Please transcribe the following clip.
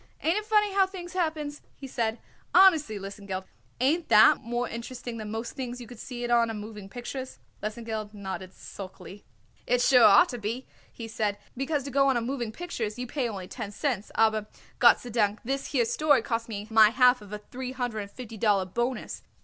"Ain't it funny how things happens?" he said. "Honestly, Lesengeld, ain't that more interesting than most things you could see it on a moving pictures?" Lesengeld nodded sulkily. "It sure ought to be," he said, "because to go on a moving pictures you pay only ten cents, aber this here story costs me my half of a three hundred and fifty dollar bonus.